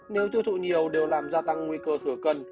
nếu tiêu thụ nhiều đều làm gia tăng nguy cơ thừa cân